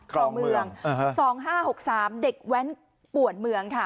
ครองเมืองสองห้าหกสามเด็กแว้นปวดเมืองค่ะ